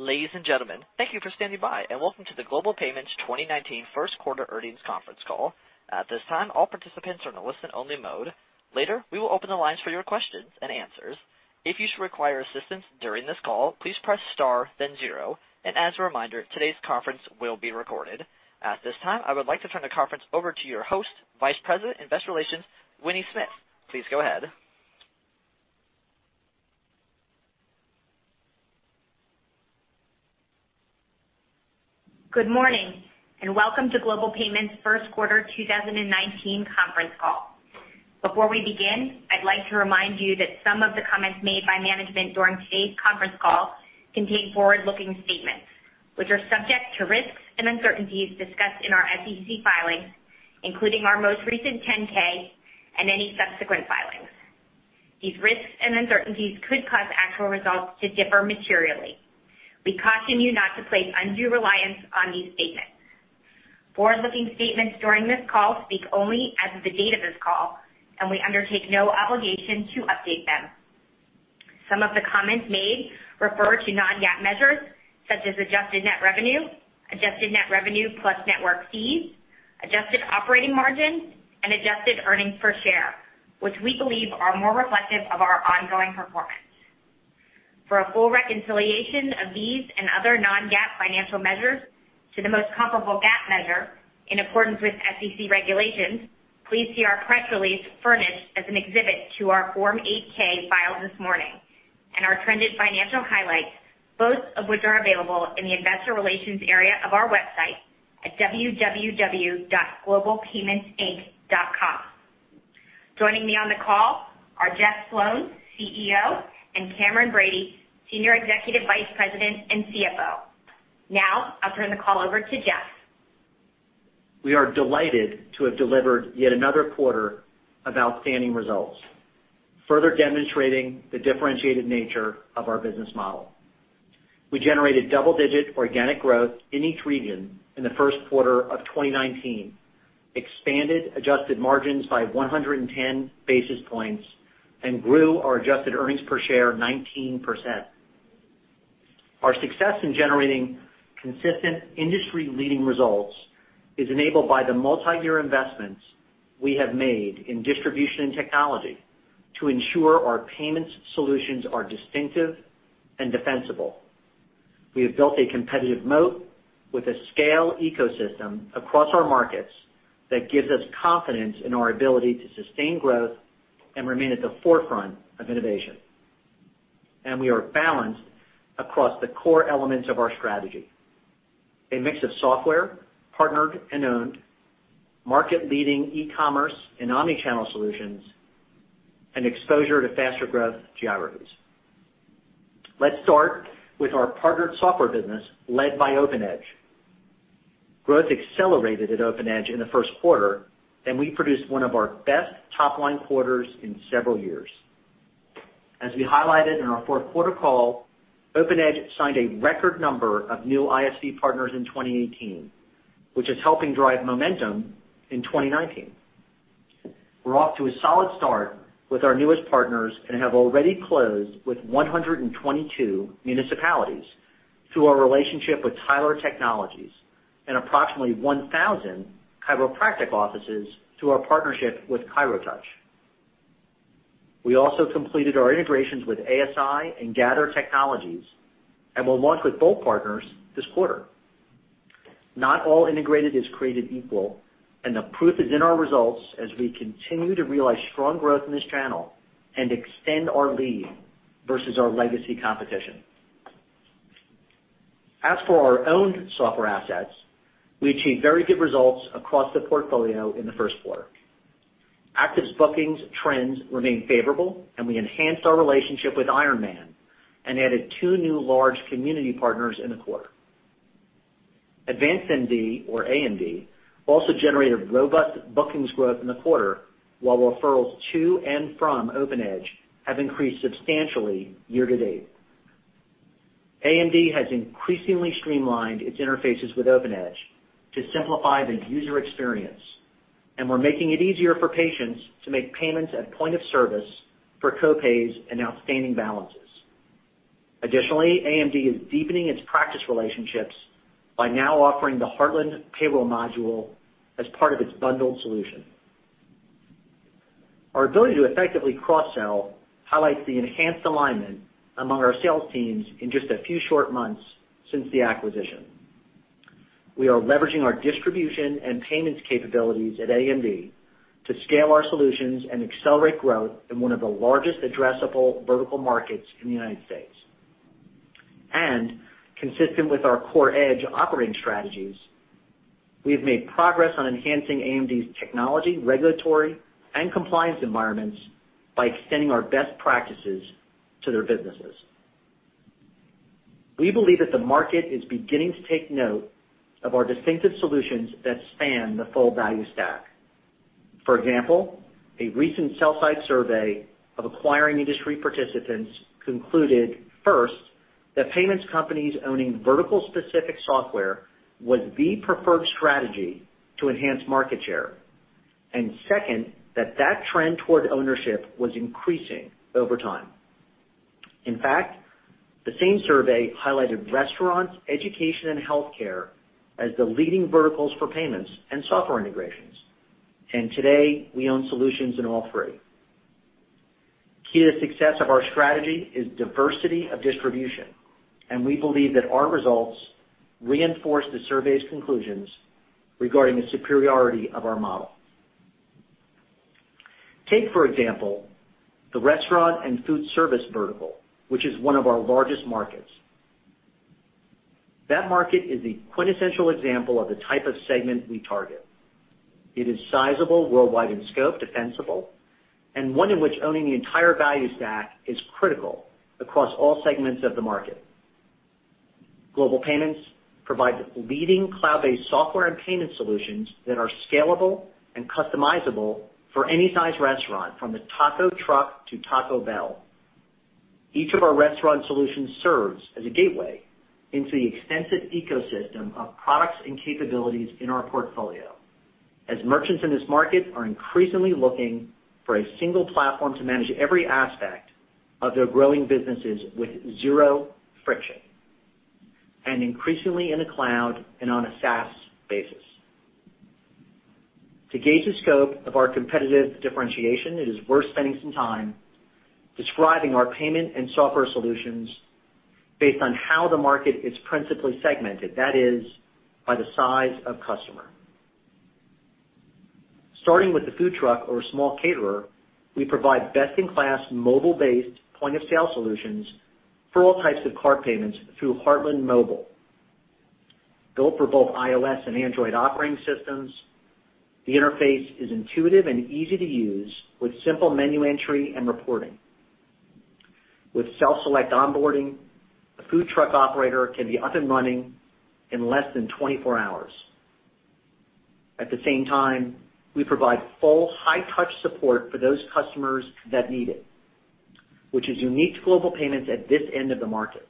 Ladies and gentlemen, thank you for standing by and welcome to the Global Payments 2019 first quarter earnings conference call. At this time, all participants are in a listen-only mode. Later, we will open the lines for your questions and answers. If you should require assistance during this call, please press star, then zero. As a reminder, today's conference will be recorded. At this time, I would like to turn the conference over to your host, Vice President of Investor Relations, Winnie Smith. Please go ahead. Good morning, welcome to Global Payments' first quarter 2019 conference call. Before we begin, I'd like to remind you that some of the comments made by management during today's conference call contain forward-looking statements, which are subject to risks and uncertainties discussed in our SEC filings, including our most recent 10-K and any subsequent filings. These risks and uncertainties could cause actual results to differ materially. We caution you not to place undue reliance on these statements. Forward-looking statements during this call speak only as of the date of this call, we undertake no obligation to update them. Some of the comments made refer to non-GAAP measures such as adjusted net revenue, adjusted net revenue plus network fees, adjusted operating margin, and adjusted earnings per share, which we believe are more reflective of our ongoing performance. For a full reconciliation of these and other non-GAAP financial measures to the most comparable GAAP measure in accordance with SEC regulations, please see our press release furnished as an exhibit to our Form 8-K filed this morning and our trended financial highlights, both of which are available in the investor relations area of our website at www.globalpaymentsinc.com. Joining me on the call are Jeff Sloan, CEO, and Cameron Bready, Senior Executive Vice President and CFO. I'll turn the call over to Jeff. We are delighted to have delivered yet another quarter of outstanding results, further demonstrating the differentiated nature of our business model. We generated double-digit organic growth in each region in the first quarter of 2019, expanded adjusted margins by 110 basis points, grew our adjusted earnings per share 19%. Our success in generating consistent industry-leading results is enabled by the multi-year investments we have made in distribution and technology to ensure our payments solutions are distinctive and defensible. We have built a competitive moat with a scale ecosystem across our markets that gives us confidence in our ability to sustain growth and remain at the forefront of innovation. We are balanced across the core elements of our strategy. A mix of software, partnered and owned, market-leading e-commerce and omni-channel solutions, and exposure to faster growth geographies. Let's start with our partnered software business led by OpenEdge. Growth accelerated at OpenEdge in the first quarter, and we produced one of our best top-line quarters in several years. As we highlighted in our fourth quarter call, OpenEdge signed a record number of new ISV partners in 2018, which is helping drive momentum in 2019. We're off to a solid start with our newest partners and have already closed with 122 municipalities through our relationship with Tyler Technologies and approximately 1,000 chiropractic offices through our partnership with ChiroTouch. We also completed our integrations with ASI and Gather Technologies and will launch with both partners this quarter. Not all integrated is created equal, and the proof is in our results as we continue to realize strong growth in this channel and extend our lead versus our legacy competition. As for our owned software assets, we achieved very good results across the portfolio in the first quarter. ACTIVE's bookings trends remain favorable, we enhanced our relationship with IRONMAN and added two new large community partners in the quarter. AdvancedMD, or AMD, also generated robust bookings growth in the quarter, while referrals to and from OpenEdge have increased substantially year-to-date. AMD has increasingly streamlined its interfaces with OpenEdge to simplify the user experience, and we're making it easier for patients to make payments at point of service for co-pays and outstanding balances. Additionally, AMD is deepening its practice relationships by now offering the Heartland payroll module as part of its bundled solution. Our ability to effectively cross-sell highlights the enhanced alignment among our sales teams in just a few short months since the acquisition. We are leveraging our distribution and payments capabilities at AMD to scale our solutions and accelerate growth in one of the largest addressable vertical markets in the U.S. Consistent with our core edge operating strategies, we have made progress on enhancing AMD's technology, regulatory, and compliance environments by extending our best practices to their businesses. We believe that the market is beginning to take note of our distinctive solutions that span the full value stack. For example, a recent sell-side survey of acquiring industry participants concluded first that payments companies owning vertical-specific software was the preferred strategy to enhance market share. Second, that that trend toward ownership was increasing over time. In fact, the same survey highlighted restaurants, education, and healthcare as the leading verticals for payments and software integrations. Today, we own solutions in all three. Key to success of our strategy is diversity of distribution, and we believe that our results reinforce the survey's conclusions regarding the superiority of our model. Take, for example, the restaurant and food service vertical, which is one of our largest markets. That market is the quintessential example of the type of segment we target. It is sizable, worldwide in scope, defensible, and one in which owning the entire value stack is critical across all segments of the market. Global Payments provides leading cloud-based software and payment solutions that are scalable and customizable for any size restaurant, from the taco truck to Taco Bell. Each of our restaurant solutions serves as a gateway into the extensive ecosystem of products and capabilities in our portfolio, as merchants in this market are increasingly looking for a single platform to manage every aspect of their growing businesses with zero friction, and increasingly in the cloud and on a SaaS basis. To gauge the scope of our competitive differentiation, it is worth spending some time describing our payment and software solutions based on how the market is principally segmented, that is, by the size of customer. Starting with the food truck or small caterer, we provide best-in-class mobile-based point-of-sale solutions for all types of card payments through Heartland Mobile. Built for both iOS and Android operating systems, the interface is intuitive and easy to use with simple menu entry and reporting. With self-select onboarding, a food truck operator can be up and running in less than 24 hours. At the same time, we provide full high-touch support for those customers that need it, which is unique to Global Payments at this end of the market.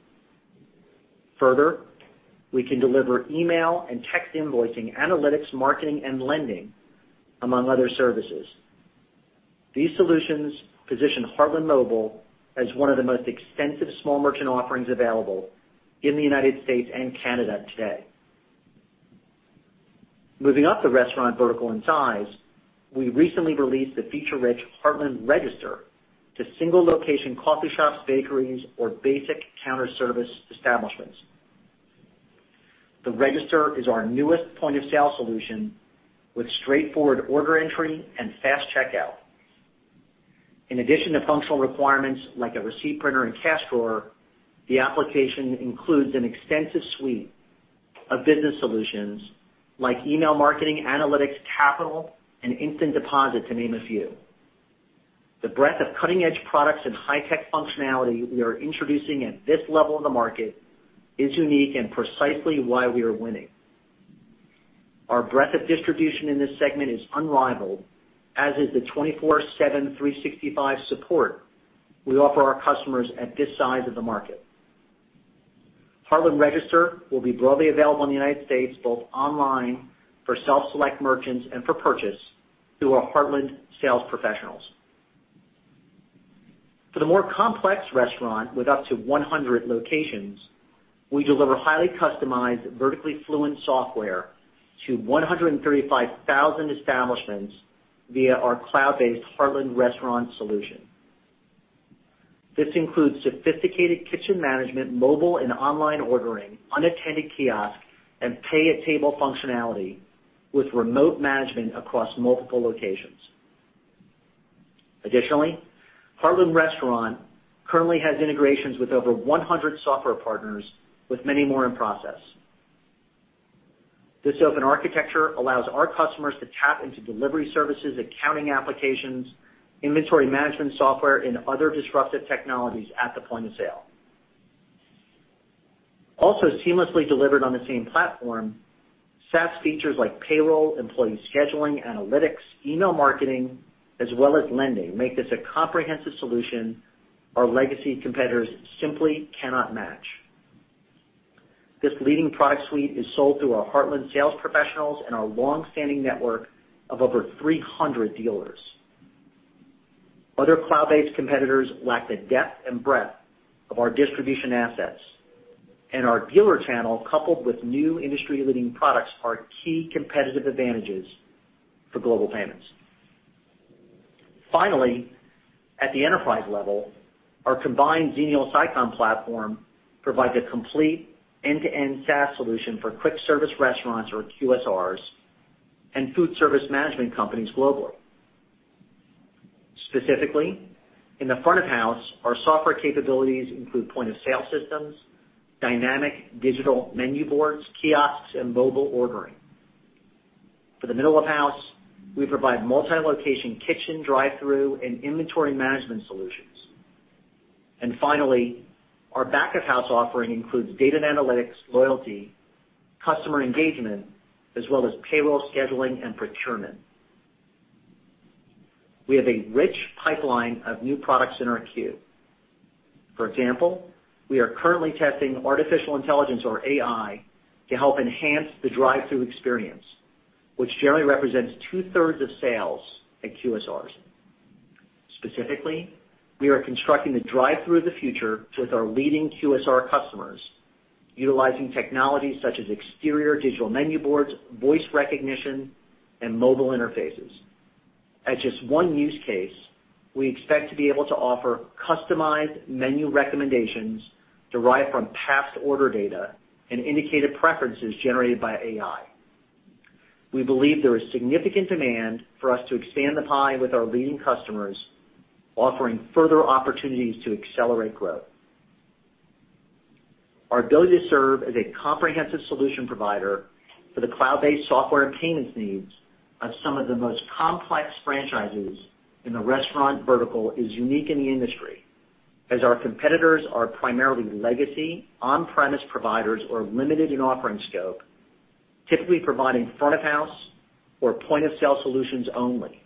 Further, we can deliver email and text invoicing, analytics, marketing, and lending, among other services. These solutions position Heartland Mobile as one of the most extensive small merchant offerings available in the United States and Canada today. Moving up the restaurant vertical in size, we recently released the feature-rich Heartland Register to single-location coffee shops, bakeries, or basic counter service establishments. The Register is our newest point-of-sale solution with straightforward order entry and fast checkout. In addition to functional requirements like a receipt printer and cash drawer, the application includes an extensive suite of business solutions like email marketing, analytics, capital, and instant deposit, to name a few. The breadth of cutting-edge products and high-tech functionality we are introducing at this level of the market is unique and precisely why we are winning. Our breadth of distribution in this segment is unrivaled, as is the 24/7/365 support we offer our customers at this size of the market. Heartland Register will be broadly available in the United States, both online for self-select merchants and for purchase through our Heartland sales professionals. For the more complex restaurant with up to 100 locations, we deliver highly customized, vertically fluent software to 135,000 establishments via our cloud-based Heartland Restaurant solution. This includes sophisticated kitchen management, mobile and online ordering, unattended kiosk, and pay-at-table functionality with remote management across multiple locations. Additionally, Heartland Restaurant currently has integrations with over 100 software partners, with many more in process. This open architecture allows our customers to tap into delivery services, accounting applications, inventory management software, and other disruptive technologies at the point of sale. Also seamlessly delivered on the same platform, SaaS features like payroll, employee scheduling, analytics, email marketing, as well as lending make this a comprehensive solution our legacy competitors simply cannot match. This leading product suite is sold through our Heartland sales professionals and our long-standing network of over 300 dealers. Other cloud-based competitors lack the depth and breadth of our distribution assets. Our dealer channel, coupled with new industry-leading products, are key competitive advantages for Global Payments. Finally, at the enterprise level, our combined Xenial Sicom platform provides a complete end-to-end SaaS solution for quick service restaurants, or QSRs, and food service management companies globally. Specifically, in the front of house, our software capabilities include point-of-sale systems, dynamic digital menu boards, kiosks, and mobile ordering. For the middle of house, we provide multi-location kitchen, drive-through, and inventory management solutions. Finally, our back-of-house offering includes data and analytics, loyalty, customer engagement, as well as payroll scheduling and procurement. We have a rich pipeline of new products in our queue. For example, we are currently testing artificial intelligence, or AI, to help enhance the drive-thru experience, which generally represents two-thirds of sales at QSRs. Specifically, we are constructing the drive-thru of the future with our leading QSR customers, utilizing technologies such as exterior digital menu boards, voice recognition, and mobile interfaces. As just one use case, we expect to be able to offer customized menu recommendations derived from past order data and indicated preferences generated by AI. We believe there is significant demand for us to expand the pie with our leading customers, offering further opportunities to accelerate growth. Our ability to serve as a comprehensive solution provider for the cloud-based software and payments needs of some of the most complex franchises in the restaurant vertical is unique in the industry, as our competitors are primarily legacy, on-premise providers or limited in offering scope, typically providing front of house or point-of-sale solutions only.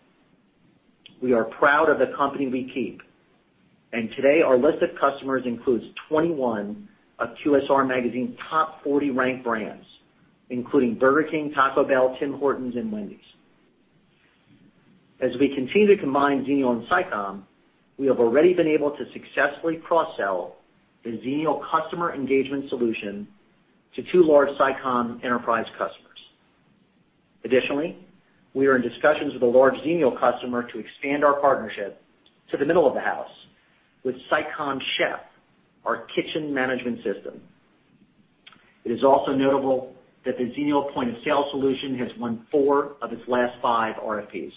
Today, our list of customers includes 21 of QSR Magazine's top 40 ranked brands, including Burger King, Taco Bell, Tim Hortons, and Wendy's. As we continue to combine Xenial and Sicom, we have already been able to successfully cross-sell the Xenial customer engagement solution to two large Sicom enterprise customers. Additionally, we are in discussions with a large Xenial customer to expand our partnership to the middle of the house with Sicom Chef, our kitchen management system. It is also notable that the Xenial point-of-sale solution has won four of its last five RFPs.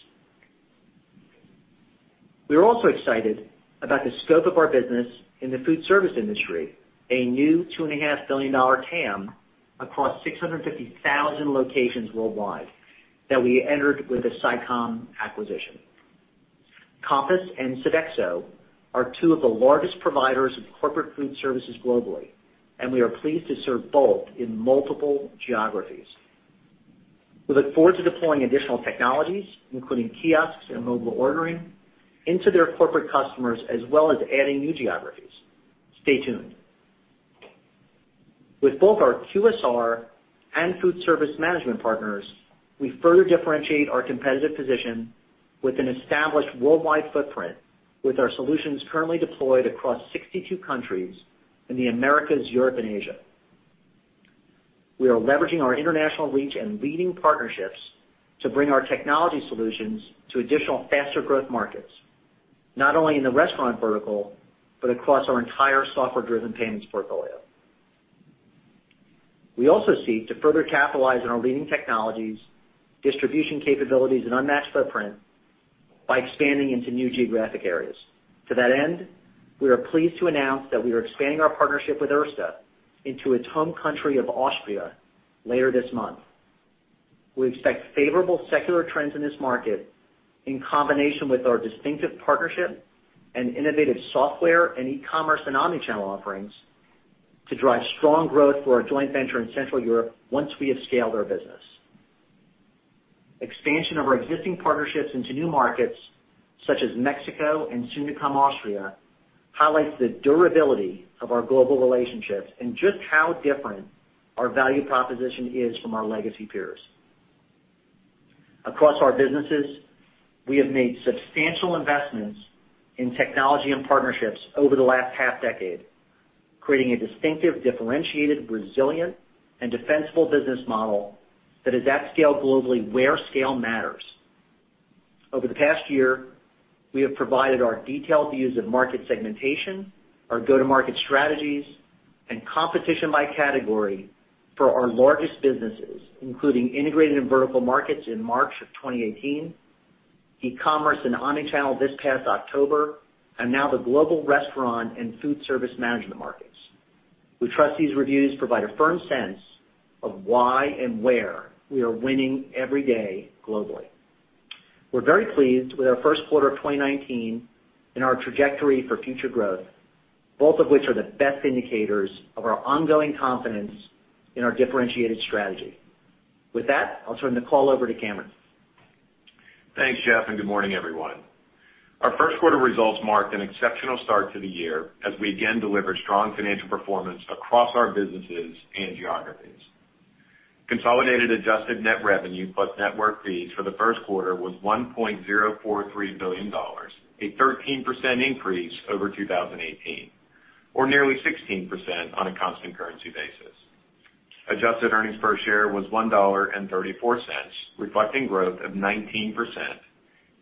We are also excited about the scope of our business in the food service industry, a new $2.5 billion TAM across 650,000 locations worldwide that we entered with the Sicom acquisition. Compass and Sodexo are two of the largest providers of corporate food services globally. We are pleased to serve both in multiple geographies. We look forward to deploying additional technologies, including kiosks and mobile ordering, into their corporate customers as well as adding new geographies. Stay tuned. With both our QSR and food service management partners, we further differentiate our competitive position with an established worldwide footprint, with our solutions currently deployed across 62 countries in the Americas, Europe, and Asia. We are leveraging our international reach and leading partnerships to bring our technology solutions to additional faster-growth markets, not only in the restaurant vertical, but across our entire software-driven payments portfolio. We also seek to further capitalize on our leading technologies, distribution capabilities, and unmatched footprint by expanding into new geographic areas. To that end, we are pleased to announce that we are expanding our partnership with Erste into its home country of Austria later this month. We expect favorable secular trends in this market, in combination with our distinctive partnership and innovative software and e-commerce and omnichannel offerings, to drive strong growth for our joint venture in Central Europe once we have scaled our business. Expansion of our existing partnerships into new markets, such as Mexico and soon-to-come Austria, highlights the durability of our global relationships and just how different our value proposition is from our legacy peers. Across our businesses, we have made substantial investments in technology and partnerships over the last half-decade, creating a distinctive, differentiated, resilient, and defensible business model that is at scale globally, where scale matters. Over the past year, we have provided our detailed views of market segmentation, our go-to-market strategies, and competition by category for our largest businesses, including integrated and vertical markets in March of 2018, e-commerce and omnichannel this past October, and now the global restaurant and food service management markets. We trust these reviews provide a firm sense of why and where we are winning every day globally. We're very pleased with our first quarter of 2019 and our trajectory for future growth, both of which are the best indicators of our ongoing confidence in our differentiated strategy. With that, I'll turn the call over to Cameron. Thanks, Jeff, good morning, everyone. Our first quarter results marked an exceptional start to the year as we again delivered strong financial performance across our businesses and geographies. Consolidated adjusted net revenue plus network fees for the first quarter was $1.043 billion, a 13% increase over 2018, or nearly 16% on a constant currency basis. Adjusted earnings per share was $1.34, reflecting growth of 19%,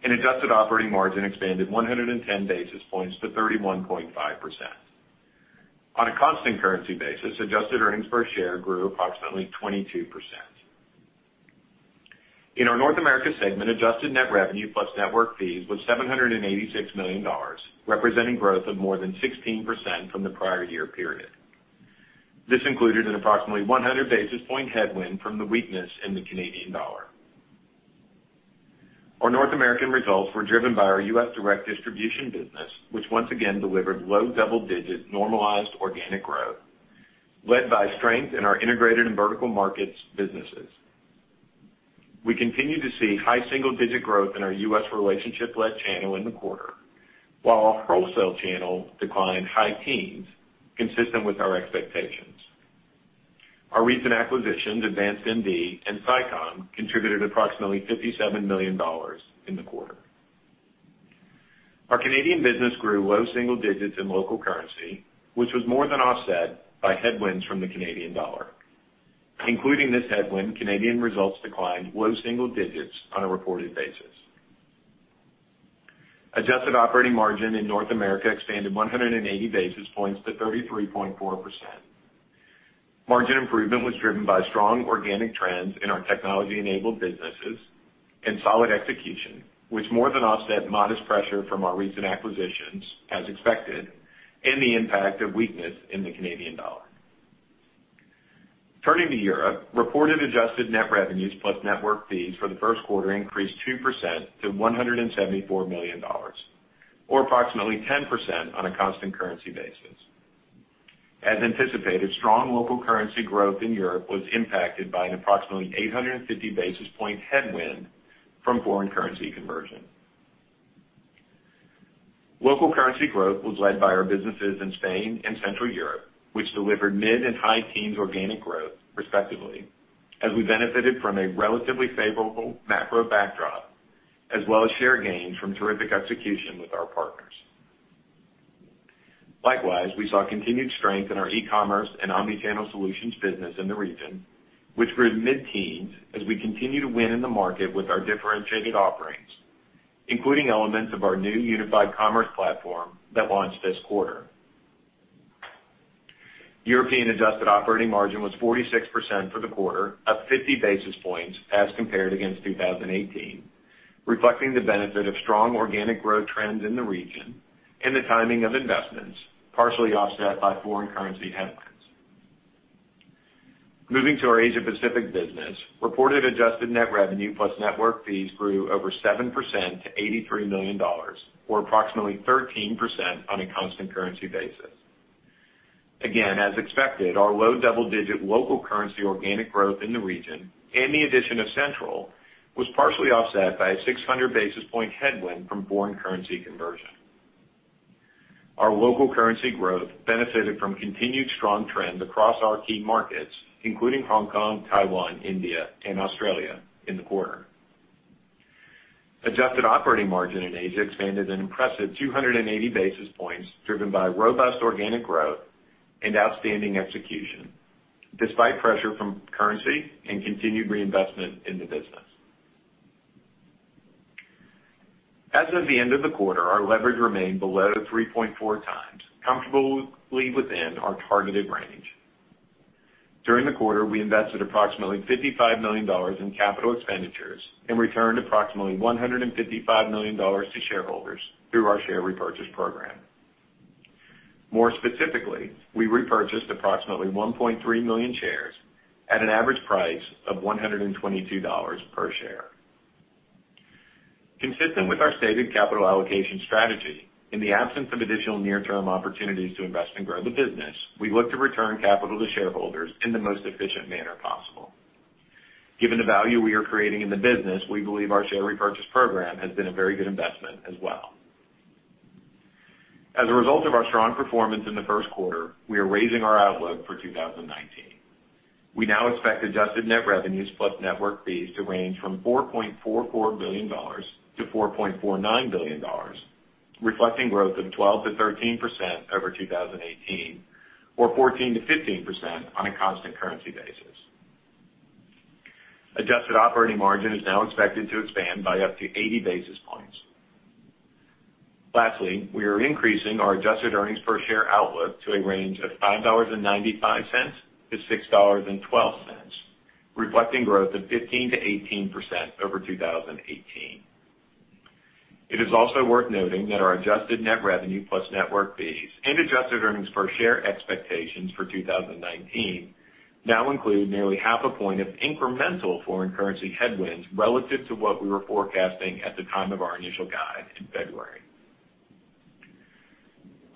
and adjusted operating margin expanded 110 basis points to 31.5%. On a constant currency basis, adjusted earnings per share grew approximately 22%. In our North America segment, adjusted net revenue plus network fees was $786 million, representing growth of more than 16% from the prior year period. This included an approximately 100 basis point headwind from the weakness in the Canadian dollar. Our North American results were driven by our U.S. direct distribution business, which once again delivered low double-digit normalized organic growth, led by strength in our integrated and vertical markets businesses. We continue to see high single-digit growth in our U.S. relationship-led channel in the quarter, while our wholesale channel declined high teens, consistent with our expectations. Our recent acquisitions, AdvancedMD and Sicom, contributed approximately $57 million in the quarter. Our Canadian business grew low single digits in local currency, which was more than offset by headwinds from the Canadian dollar. Including this headwind, Canadian results declined low single digits on a reported basis. Adjusted operating margin in North America expanded 180 basis points to 33.4%. Margin improvement was driven by strong organic trends in our technology-enabled businesses and solid execution, which more than offset modest pressure from our recent acquisitions, as expected, and the impact of weakness in the Canadian dollar. Turning to Europe, reported adjusted net revenues plus network fees for the first quarter increased 2% to $174 million, or approximately 10% on a constant currency basis. As anticipated, strong local currency growth in Europe was impacted by an approximately 850 basis point headwind from foreign currency conversion. Local currency growth was led by our businesses in Spain and Central Europe, which delivered mid and high teens organic growth, respectively, as we benefited from a relatively favorable macro backdrop as well as share gains from terrific execution with our partners. Likewise, we saw continued strength in our e-commerce and omni-channel solutions business in the region, which grew mid-teens as we continue to win in the market with our differentiated offerings, including elements of our new unified commerce platform that launched this quarter. European adjusted operating margin was 46% for the quarter, up 50 basis points as compared against 2018, reflecting the benefit of strong organic growth trends in the region and the timing of investments, partially offset by foreign currency headwinds. Moving to our Asia Pacific business, reported adjusted net revenue plus network fees grew over 7% to $83 million, or approximately 13% on a constant currency basis. As expected, our low double-digit local currency organic growth in the region and the addition of Central was partially offset by a 600 basis point headwind from foreign currency conversion. Our local currency growth benefited from continued strong trends across our key markets, including Hong Kong, Taiwan, India, and Australia in the quarter. Adjusted operating margin in Asia expanded an impressive 280 basis points, driven by robust organic growth and outstanding execution, despite pressure from currency and continued reinvestment in the business. As of the end of the quarter, our leverage remained below the 3.4 times, comfortably within our targeted range. During the quarter, we invested approximately $55 million in capital expenditures and returned approximately $155 million to shareholders through our share repurchase program. More specifically, we repurchased approximately 1.3 million shares at an average price of $122 per share. Consistent with our stated capital allocation strategy, in the absence of additional near-term opportunities to invest and grow the business, we look to return capital to shareholders in the most efficient manner possible. As a result of our strong performance in the first quarter, we are raising our outlook for 2019. We now expect adjusted net revenues plus network fees to range from $4.44 billion-$4.49 billion, reflecting growth of 12%-13% over 2018, or 14%-15% on a constant currency basis. Adjusted operating margin is now expected to expand by up to 80 basis points. Lastly, we are increasing our adjusted earnings per share outlook to a range of $5.95-$6.12, reflecting growth of 15%-18% over 2018. It is also worth noting that our adjusted net revenue plus network fees and adjusted earnings per share expectations for 2019 now include nearly half a point of incremental foreign currency headwinds relative to what we were forecasting at the time of our initial guide in February.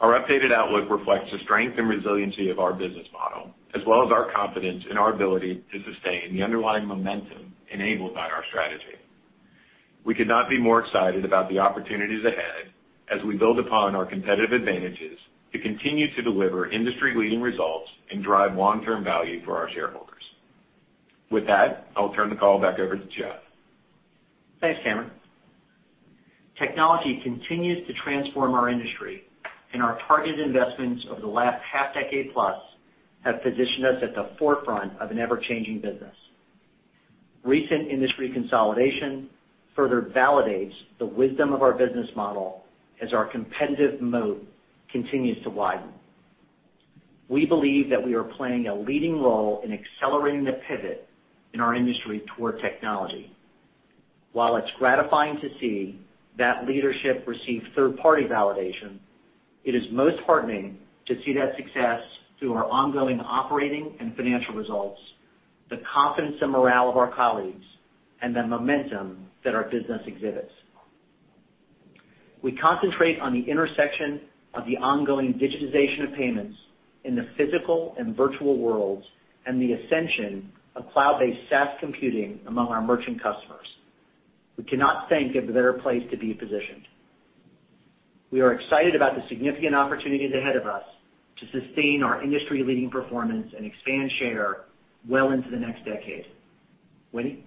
Our updated outlook reflects the strength and resiliency of our business model, as well as our confidence in our ability to sustain the underlying momentum enabled by our strategy. We could not be more excited about the opportunities ahead as we build upon our competitive advantages to continue to deliver industry-leading results and drive long-term value for our shareholders. With that, I'll turn the call back over to Jeff. Thanks, Cameron. Technology continues to transform our industry. Our targeted investments over the last half decade plus have positioned us at the forefront of an ever-changing business. Recent industry consolidation further validates the wisdom of our business model as our competitive moat continues to widen. We believe that we are playing a leading role in accelerating the pivot in our industry toward technology. While it's gratifying to see that leadership receive third-party validation, it is most heartening to see that success through our ongoing operating and financial results, the confidence and morale of our colleagues, and the momentum that our business exhibits. We concentrate on the intersection of the ongoing digitization of payments in the physical and virtual worlds and the ascension of cloud-based SaaS computing among our merchant customers. We cannot think of a better place to be positioned. We are excited about the significant opportunities ahead of us to sustain our industry-leading performance and expand share well into the next decade. Winnie?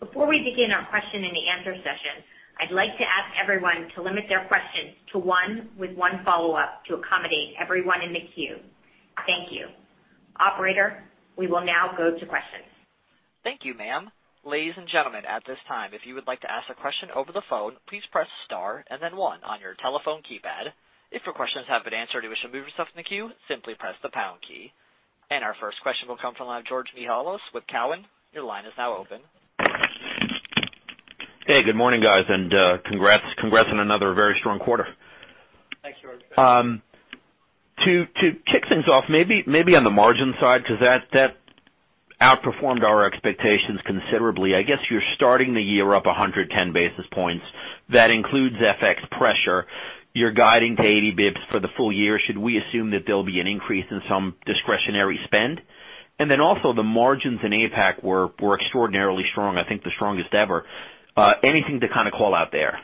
Before we begin our question and answer session, I'd like to ask everyone to limit their questions to one with one follow-up to accommodate everyone in the queue. Thank you. Operator, we will now go to questions. Thank you, ma'am. Ladies and gentlemen, at this time, if you would like to ask a question over the phone, please press star and then one on your telephone keypad. If your questions have been answered or you wish to move yourself in the queue, simply press the pound key. Our first question will come from the line of George Mihalos with Cowen. Your line is now open. Good morning, guys, and congrats on another very strong quarter. Thanks, George. To kick things off, maybe on the margin side because that outperformed our expectations considerably. I guess you're starting the year up 110 basis points. That includes FX pressure. You're guiding to 80 basis points for the full year. Should we assume that there'll be an increase in some discretionary spend? Also the margins in APAC were extraordinarily strong, I think the strongest ever. Anything to kind of call out there?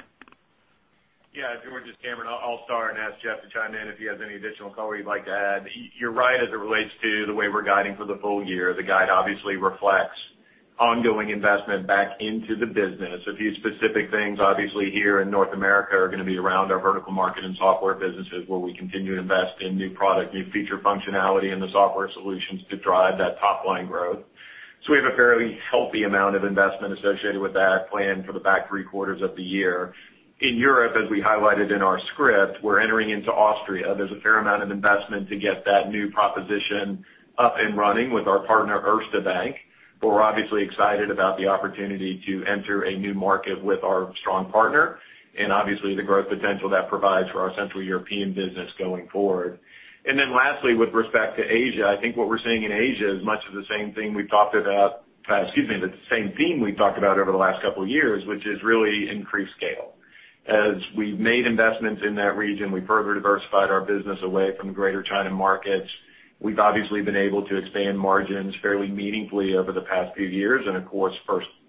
Yeah. George, it's Cameron. I'll start and ask Jeff to chime in if he has any additional color you'd like to add. You're right as it relates to the way we're guiding for the full year. The guide obviously reflects ongoing investment back into the business. A few specific things, obviously here in North America are going to be around our vertical market and software businesses where we continue to invest in new product, new feature functionality in the software solutions to drive that top-line growth. We have a fairly healthy amount of investment associated with that plan for the back three quarters of the year. In Europe, as we highlighted in our script, we're entering into Austria. There's a fair amount of investment to get that new proposition up and running with our partner, Erste Bank. We're obviously excited about the opportunity to enter a new market with our strong partner and obviously the growth potential that provides for our central European business going forward. Lastly, with respect to Asia, I think what we're seeing in Asia is much of the same thing the same theme we've talked about over the last couple of years, which is really increased scale. As we've made investments in that region, we further diversified our business away from greater China markets. We've obviously been able to expand margins fairly meaningfully over the past few years. Of course,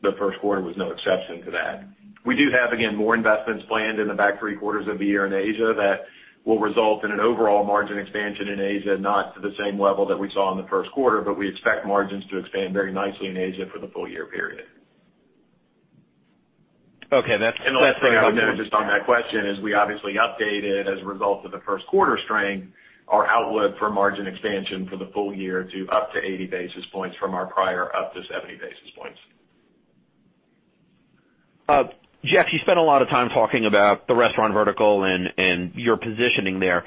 the first quarter was no exception to that. We do have, again, more investments planned in the back three quarters of the year in Asia that will result in an overall margin expansion in Asia, not to the same level that we saw in the first quarter, but we expect margins to expand very nicely in Asia for the full-year period. Okay. The last thing I would note just on that question is we obviously updated as a result of the first quarter strength our outlook for margin expansion for the full year to up to 80 basis points from our prior up to 70 basis points. Jeff, you spent a lot of time talking about the restaurant vertical and your positioning there.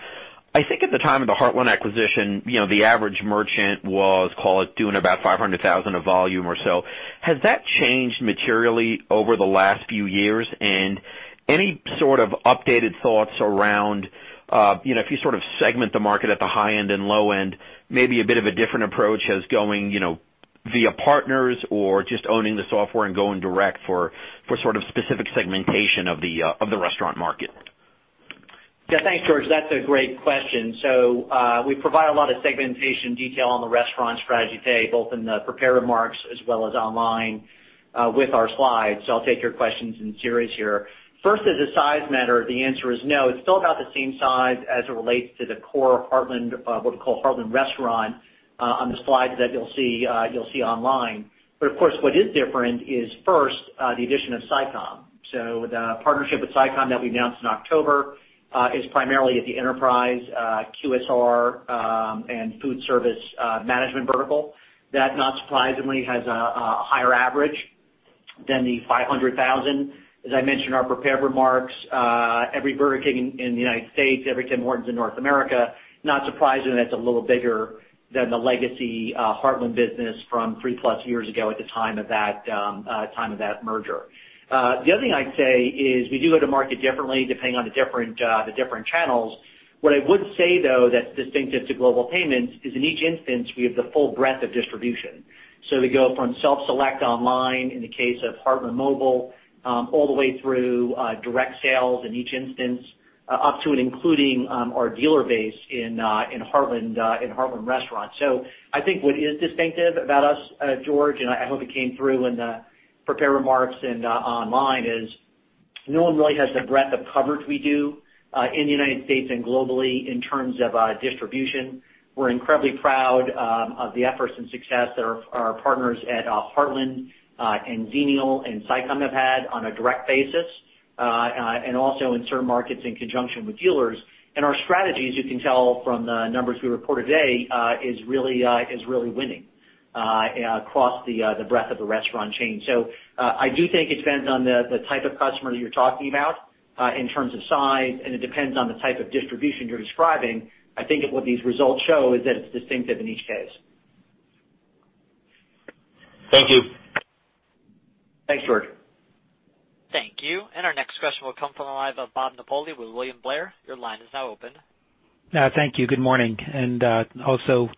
I think at the time of the Heartland acquisition, the average merchant was, call it, doing about $500,000 of volume or so. Has that changed materially over the last few years? Any sort of updated thoughts around, if you sort of segment the market at the high end and low end, maybe a bit of a different approach as going via partners or just owning the software and going direct for sort of specific segmentation of the restaurant market? Yeah. Thanks, George. That's a great question. We provide a lot of segmentation detail on the restaurant strategy today, both in the prepared remarks as well as online with our slides. I'll take your questions in series here. First, as a size matter, the answer is no. It's still about the same size as it relates to the core Heartland, what we call Heartland Restaurant on the slides that you'll see online. Of course, what is different is first the addition of Sicom. The partnership with Sicom that we announced in October is primarily at the enterprise QSR and food service management vertical. That, not surprisingly, has a higher average than the $500,000. As I mentioned in our prepared remarks, every Burger King in the U.S., every Tim Hortons in North America, not surprisingly, that's a little bigger than the legacy Heartland business from three-plus years ago at the time of that merger. The other thing I'd say is we do go to market differently depending on the different channels. What I would say, though, that's distinctive to Global Payments is in each instance, we have the full breadth of distribution. We go from self-select online in the case of Heartland Mobile all the way through direct sales in each instance up to and including our dealer base in Heartland Restaurant. I think what is distinctive about us, George, and I hope it came through in the prepared remarks and online is no one really has the breadth of coverage we do in the U.S. and globally in terms of distribution. We're incredibly proud of the efforts and success that our partners at Heartland and Xenial and Sicom have had on a direct basis and also in certain markets in conjunction with dealers. Our strategy, as you can tell from the numbers we reported today, is really winning across the breadth of the restaurant chain. I do think it depends on the type of customer you're talking about in terms of size, and it depends on the type of distribution you're describing. I think what these results show is that it's distinctive in each case. Thank you. Thanks, George. Thank you. Our next question will come from the line of Bob Napoli with William Blair. Your line is now open. Thank you. Good morning, also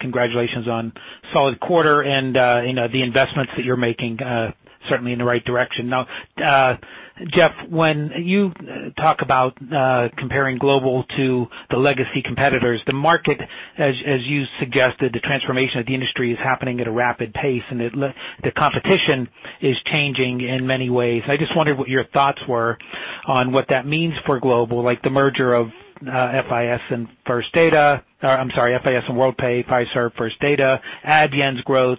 congratulations on a solid quarter and the investments that you're making certainly in the right direction. Jeff, when you talk about comparing Global to the legacy competitors, the market, as you suggested, the transformation of the industry is happening at a rapid pace, and the competition is changing in many ways. I just wondered what your thoughts were on what that means for Global, like the merger of FIS and Worldpay, Fiserv, First Data, Adyen's growth,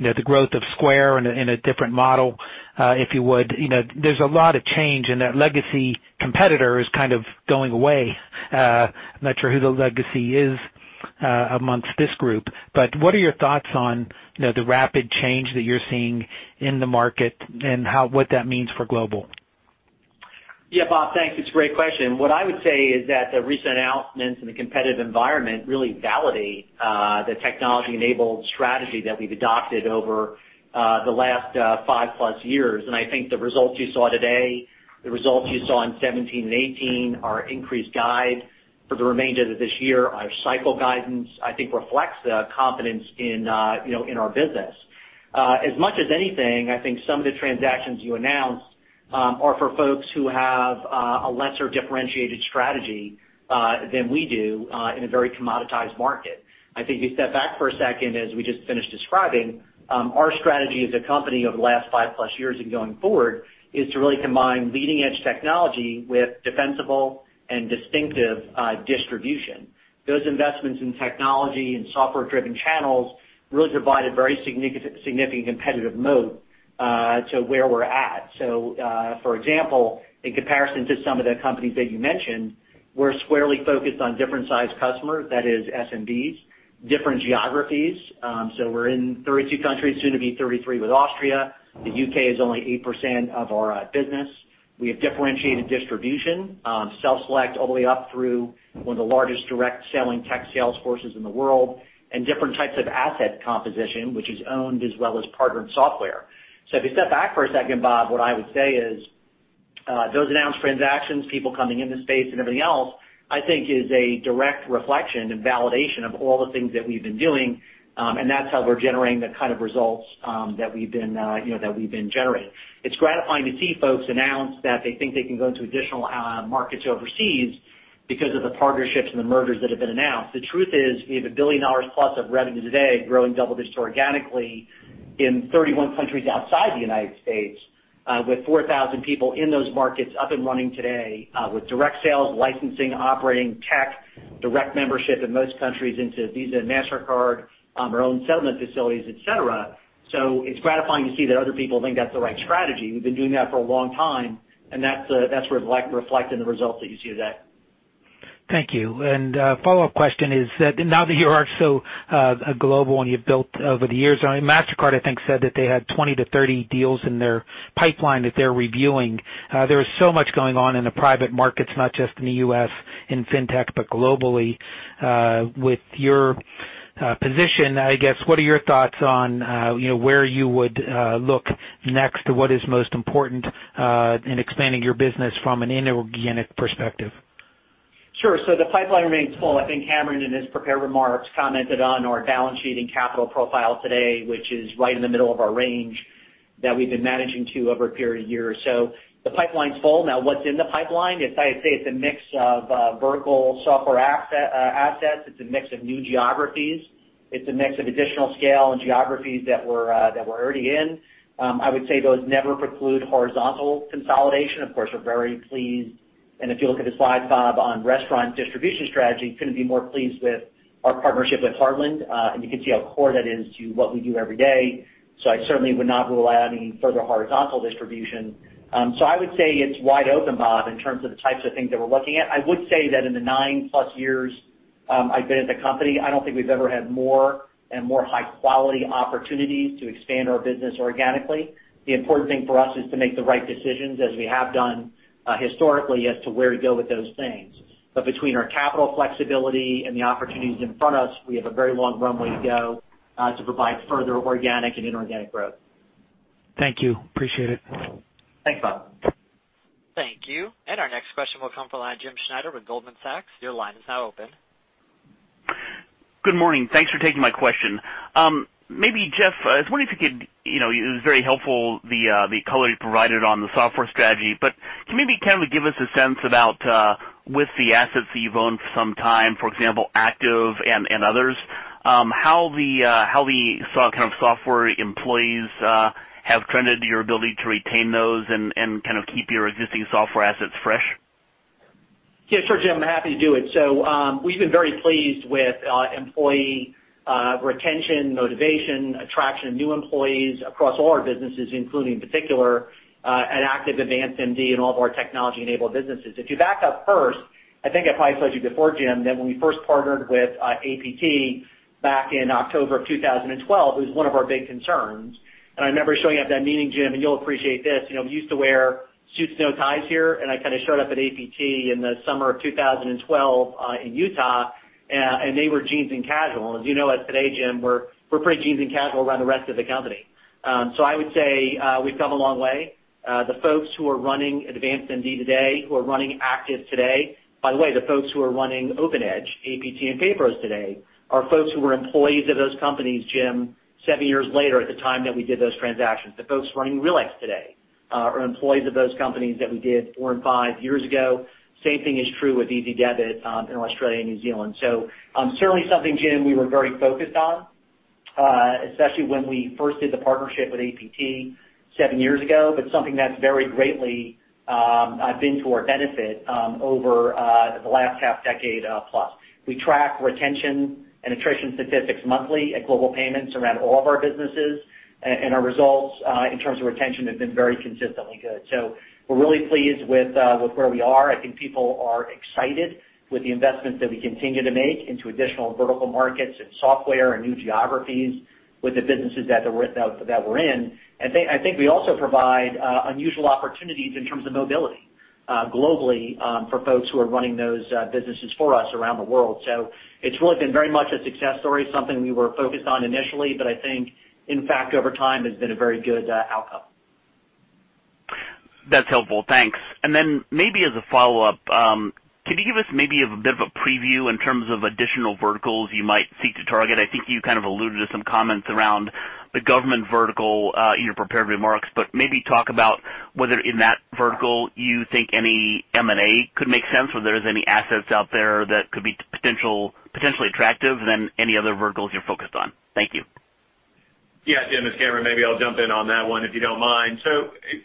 the growth of Square in a different model, if you would. There's a lot of change, and that legacy competitor is kind of going away. I'm not sure who the legacy is amongst this group, but what are your thoughts on the rapid change that you're seeing in the market and what that means for Global? Bob. Thanks. It's a great question. What I would say is that the recent announcements in the competitive environment really validate the technology-enabled strategy that we've adopted over the last five-plus years. I think the results you saw today, the results you saw in 2017 and 2018, our increased guide for the remainder of this year, our cycle guidance, I think reflects the confidence in our business. As much as anything, I think some of the transactions you announced are for folks who have a lesser differentiated strategy than we do in a very commoditized market. I think if you step back for a second, as we just finished describing, our strategy as a company over the last five-plus years and going forward is to really combine leading-edge technology with defensible and distinctive distribution. Those investments in technology and software-driven channels really provide a very significant competitive moat to where we're at. For example, in comparison to some of the companies that you mentioned, we're squarely focused on different sized customers. That is SMBs, different geographies. We're in 32 countries, soon to be 33 with Austria. The U.K. is only 8% of our business. We have differentiated distribution, self-select all the way up through one of the largest direct selling tech sales forces in the world, and different types of asset composition, which is owned as well as partnered software. If you step back for a second, Bob, what I would say is those announced transactions, people coming in the space and everything else, I think is a direct reflection and validation of all the things that we've been doing. That's how we're generating the kind of results that we've been generating. It's gratifying to see folks announce that they think they can go into additional markets overseas because of the partnerships and the mergers that have been announced. The truth is, we have a $1 billion plus of revenue today growing double digits organically in 31 countries outside the U.S. with 4,000 people in those markets up and running today with direct sales, licensing, operating tech, direct membership in most countries into Visa and Mastercard, our own settlement facilities, et cetera. It's gratifying to see that other people think that's the right strategy. We've been doing that for a long time, and that's reflected in the results that you see today. Thank you. Follow-up question is that now that you are so global and you've built over the years, Mastercard, I think, said that they had 20 to 30 deals in their pipeline that they're reviewing. There is so much going on in the private markets, not just in the U.S. in fintech, but globally. With your position, I guess, what are your thoughts on where you would look next? What is most important in expanding your business from an inorganic perspective? Sure. The pipeline remains full. I think Cameron in his prepared remarks commented on our balance sheet and capital profile today, which is right in the middle of our range that we've been managing to over a period of years. The pipeline's full. Now, what's in the pipeline? As I say, it's a mix of vertical software assets. It's a mix of new geographies. It's a mix of additional scale and geographies that we're already in. I would say those never preclude horizontal consolidation. Of course, we're very pleased. If you look at the slide, Bob, on restaurant distribution strategy, couldn't be more pleased with our partnership with Heartland. You can see how core that is to what we do every day. I certainly would not rule out any further horizontal distribution. I would say it's wide open, Bob, in terms of the types of things that we're looking at. I would say that in the nine-plus years I've been at the company, I don't think we've ever had more and more high-quality opportunities to expand our business organically. The important thing for us is to make the right decisions, as we have done historically, as to where to go with those things. Between our capital flexibility and the opportunities in front of us, we have a very long runway to go to provide further organic and inorganic growth. Thank you. Appreciate it. Thanks, Bob. Thank you. Our next question will come from the line of Jim Schneider with Goldman Sachs. Your line is now open. Good morning. Thanks for taking my question. Maybe Jeff, I was wondering if it was very helpful the color you provided on the software strategy. Can you maybe give us a sense about with the assets that you've owned for some time, for example, Active and others, how the kind of software employees have trended to your ability to retain those and kind of keep your existing software assets fresh? Yeah, sure, Jim, I'm happy to do it. We've been very pleased with employee retention, motivation, attraction of new employees across all our businesses, including in particular at Active, AdvancedMD and all of our technology-enabled businesses. If you back up first, I think I probably told you before, Jim, that when we first partnered with APT back in October of 2012, it was one of our big concerns. I remember showing up at that meeting, Jim, and you'll appreciate this. We used to wear suits, no ties here, and I showed up at APT in the summer of 2012 in Utah, and they were jeans and casual. As you know, as of today, Jim, we're pretty jeans and casual around the rest of the company. I would say we've come a long way. The folks who are running AdvancedMD today, who are running Active today, by the way, the folks who are running OpenEdge, APT and PayPros today, are folks who were employees of those companies, Jim, seven years later at the time that we did those transactions. The folks running Realex today are employees of those companies that we did four and five years ago. Same thing is true with Ezidebit in Australia and New Zealand. Certainly something, Jim, we were very focused on, especially when we first did the partnership with APT seven years ago, but something that's very greatly been to our benefit over the last half decade plus. We track retention and attrition statistics monthly at Global Payments around all of our businesses, and our results in terms of retention have been very consistently good. We're really pleased with where we are. I think people are excited with the investments that we continue to make into additional vertical markets, in software and new geographies with the businesses that we're in. I think we also provide unusual opportunities in terms of mobility globally for folks who are running those businesses for us around the world. It's really been very much a success story, something we were focused on initially, but I think in fact, over time has been a very good outcome. That's helpful. Thanks. Maybe as a follow-up, could you give us maybe a bit of a preview in terms of additional verticals you might seek to target? I think you kind of alluded to some comments around the government vertical in your prepared remarks, but maybe talk about whether in that vertical you think any M&A could make sense or there's any assets out there that could be potentially attractive than any other verticals you're focused on. Thank you. Yeah. Jim, it's Cameron. Maybe I'll jump in on that one, if you don't mind.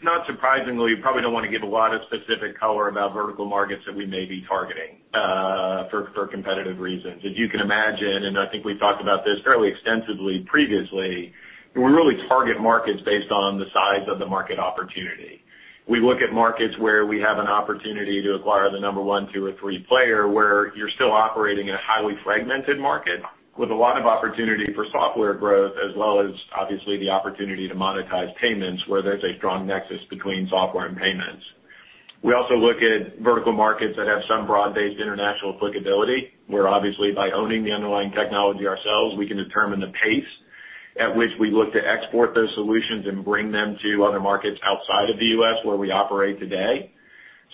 Not surprisingly, you probably don't want to give a lot of specific color about vertical markets that we may be targeting for competitive reasons. As you can imagine, and I think we've talked about this fairly extensively previously, we really target markets based on the size of the market opportunity. We look at markets where we have an opportunity to acquire the number 1, 2, or 3 player, where you're still operating in a highly fragmented market with a lot of opportunity for software growth, as well as obviously the opportunity to monetize payments where there's a strong nexus between software and payments. We also look at vertical markets that have some broad-based international applicability, where obviously by owning the underlying technology ourselves, we can determine the pace at which we look to export those solutions and bring them to other markets outside of the U.S. where we operate today.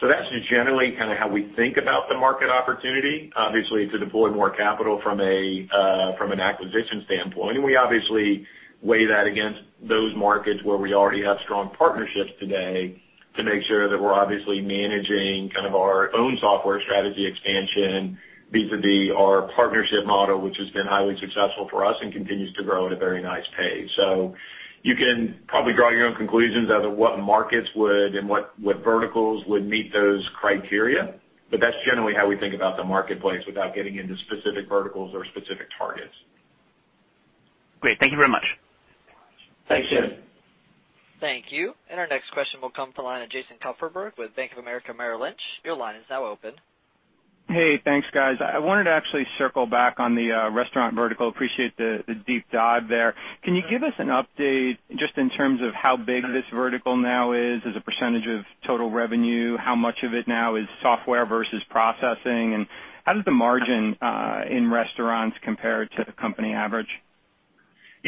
That's just generally how we think about the market opportunity, obviously to deploy more capital from an acquisition standpoint. We obviously weigh that against those markets where we already have strong partnerships today to make sure that we're obviously managing our own software strategy expansion B2B, our partnership model, which has been highly successful for us and continues to grow at a very nice pace. You can probably draw your own conclusions as to what markets would and what verticals would meet those criteria, but that's generally how we think about the marketplace without getting into specific verticals or specific targets. Great. Thank you very much. Thanks, Jim. Thank you. Our next question will come from the line of Jason Kupferberg with Bank of America Merrill Lynch. Your line is now open. Hey, thanks, guys. I wanted to actually circle back on the restaurant vertical. Appreciate the deep dive there. Can you give us an update just in terms of how big this vertical now is as a percentage of total revenue? How much of it now is software versus processing? How does the margin in restaurants compare to the company average?